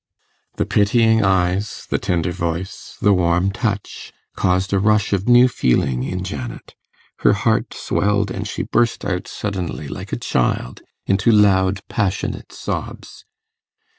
The pitying eyes, the tender voice, the warm touch, caused a rush of new feeling in Janet. Her heart swelled, and she burst out suddenly, like a child, into loud passionate sobs.